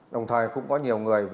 đồng thời cũng có nhiều người